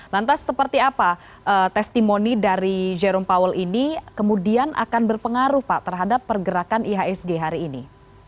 lantas seperti apa testimoni dari jerome powell ini kemudian akan berpengaruh pak terhadap pergerakan ihsg hari ini